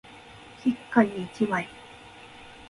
一家に一枚